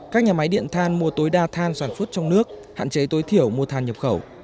các nhà máy điện than mua tối đa than sản xuất trong nước hạn chế tối thiểu mua than nhập khẩu